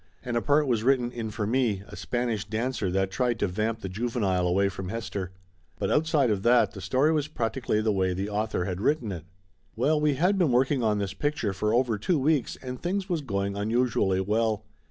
And a part was written in for me a Spanish dancer that tried to vamp the juvenile away from Hester. But outside of that the story was practically the way the author had written it. Well, we had been working on this picture for over two weeks and things was going unusually well.